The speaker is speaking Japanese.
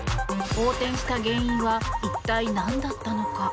横転した原因は一体何だったのか。